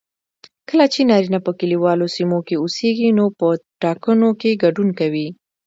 کله چې نارینه په کليوالو سیمو کې اوسیږي نو په ټاکنو کې ګډون کوي